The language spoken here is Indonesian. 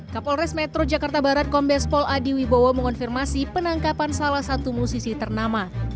kapolres metro jakarta barat kombes pol adi wibowo mengonfirmasi penangkapan salah satu musisi ternama